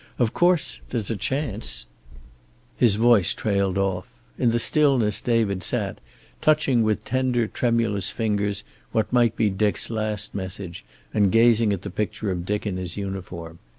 Of course there's a chance " His voice trailed off. In the stillness David sat, touching with tender tremulous fingers what might be Dick's last message, and gazing at the picture of Dick in his uniform.